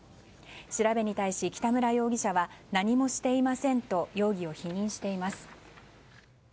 調べに対し北村容疑者は何もしていませんと容疑を否認しています。